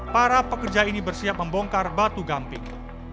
para pekerja ini bersiap membongkar batu gamping